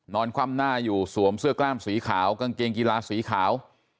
คว่ำหน้าอยู่สวมเสื้อกล้ามสีขาวกางเกงกีฬาสีขาว